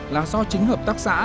là do chính hợp tác của các nhà dân